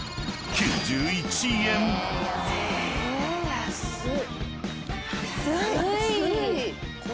安い。